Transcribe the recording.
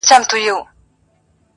ښه ډېره ښكلا غواړي ،داسي هاسي نه كــيږي